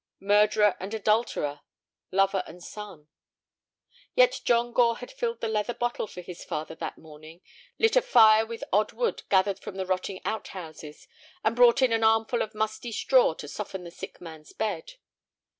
Murderer and adulterer; lover and son. Yet John Gore had filled the leather bottle for his father that morning, lit a fire with odd wood gathered from the rotting out houses, and brought in an armful of musty straw to soften the sick man's bed.